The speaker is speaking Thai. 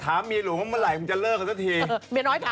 ถามเมียหลวงเมื่อไหร่จะเลิกอีกสักที